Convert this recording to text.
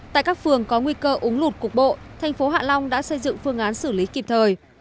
tại các phường có nguy cơ úng lụt cục bộ thành phố hạ long đã xây dựng phương án xử lý kịp thời